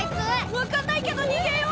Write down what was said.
分かんないけどにげよう！